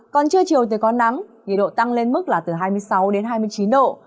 còn trưa chiều thì có nắng nhiệt độ tăng lên mức là từ hai mươi sáu đến hai mươi chín độ